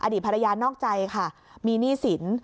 อดีตภรรยานอกใจมีหนี้สิน